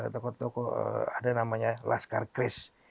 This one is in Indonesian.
tokoh tokoh ada namanya laskar kris